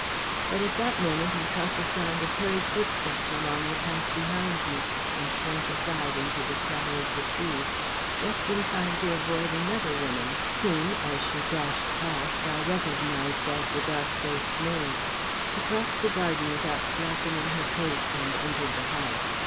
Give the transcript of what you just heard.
But at that moment, I caught the sound of hurried footsteps along the path behind me and shrank aside into the shadow of the trees just in time to avoid another woman whom, as she dashed past, I recognised as the dark faced maid. She crossed the garden without slackening her pace and entered the house.